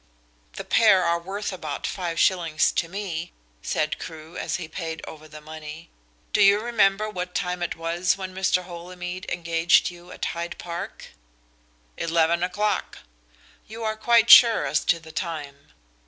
"The pair are worth about five shillings to me," said Crewe as he paid over the money. "Do you remember what time it was when Mr. Holymead engaged you at Hyde Park?" "Eleven o'clock." "You are quite sure as to the time?"